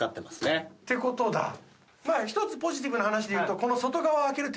１つポジティブな話でいうとこの。